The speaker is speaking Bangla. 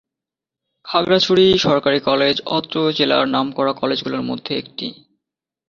খাগড়াছড়ি সরকারি কলেজ অত্র জেলার নামকরা কলেজগুলোর মধ্যে একটি।